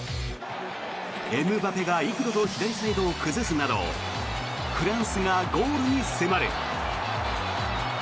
エムバペが幾度と左サイドを崩すなどフランスがゴールに迫る。